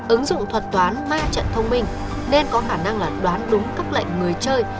ứng dụng thuật toán ma trận thông minh nên có khả năng là đoán đúng các lệnh người chơi